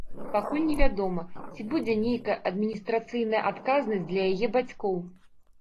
Пакуль невядома, ці будзе нейкая адміністрацыйная адказнасць для яе бацькоў.